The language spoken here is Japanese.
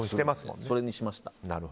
それにしました。